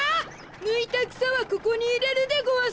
ぬいたくさはここにいれるでごわす。